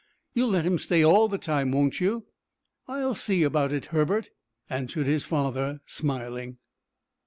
You'll let him stay all the time, won't you?" "I'll see about it, Herbert," answered his father, smiling.